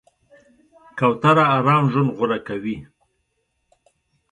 کوتره آرام ژوند غوره کوي.